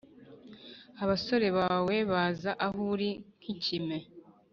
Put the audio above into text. Abasore bawe baza aho uri nk’ikime,